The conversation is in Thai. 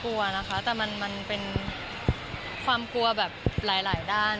กลัวนะคะแต่มันเป็นความกลัวแบบหลายด้าน